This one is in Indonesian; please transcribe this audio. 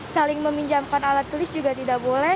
saling meminjamkan alat tulis juga tidak boleh